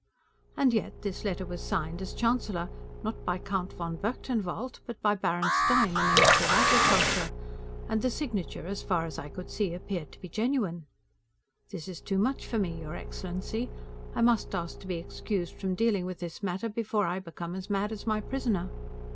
and yet, this letter was signed, as Chancellor, not by Count von Berchtenwald, but by Baron Stein, the Minister of Agriculture, and the signature, as far as I could see, appeared to be genuine! This is too much for me, your excellency; I must ask to be excused from dealing with this matter, before I become as mad as my prisoner!